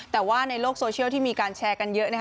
แต่ว่าในโลกโซเชียลที่มีการแชร์กันเยอะนะคะ